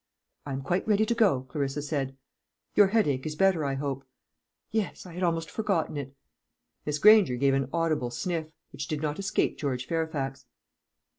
"I am quite ready to go," Clarissa said. "Your headache is better, I hope." "Yes; I had almost forgotten it." Miss Granger gave an audible sniff, which did not escape George Fairfax.